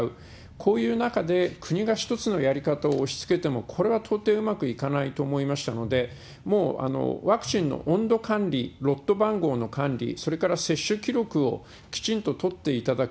こういう中で、国が一つのやり方を押しつけても、これは到底うまくいかないと思いましたので、もう、ワクチンの温度管理、ロット番号の管理、それから接種記録をきちんと取っていただく。